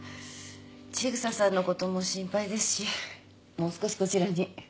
千草さんのことも心配ですしもう少しこちらに。